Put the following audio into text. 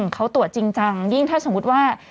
เขาตรวจจริงจังยิ่งถ้าสมมุติว่า